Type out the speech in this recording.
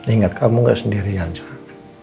ingat kamu gak sendirian saya